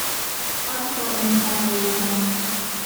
Official and final results.